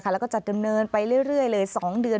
แล้วก็จะดำเนินไปเรื่อยเลย๒เดือน